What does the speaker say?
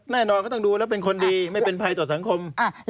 แน่นอนก็ต้องดูแล้วเป็นคนดีไม่เป็นภัยต่อสังคม